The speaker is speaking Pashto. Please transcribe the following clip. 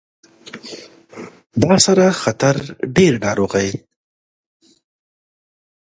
دا سره خطر ډیر ناروغۍ